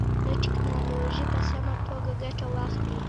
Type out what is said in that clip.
له ټکنالوژۍ په سمه توګه ګټه واخلئ.